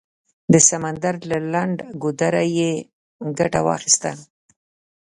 د سمندر له لنډ ګودره یې ګټه واخیسته.